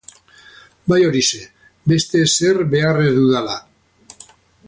Ba horixe, beste ezer behar ez dudala.